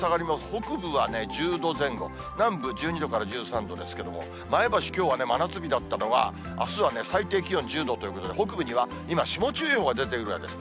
北部は１０度前後、南部、１２度から１３度ですけれども、前橋、きょうはね、真夏日だったのが、あすは最低気温１０度ということで、北部には今、霜注意報が出てるくらいです。